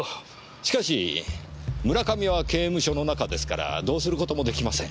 しかし村上は刑務所の中ですからどうすることもできません。